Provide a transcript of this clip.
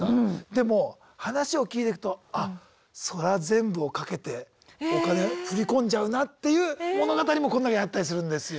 でも話を聞いてくとあっそら全部を懸けてお金振り込んじゃうなっていう物語もこの中にあったりするんですよ。